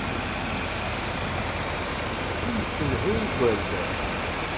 Ad nessedhu igerdan.